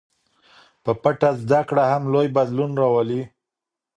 په پټه زده کړه هم لوی بدلون راولي.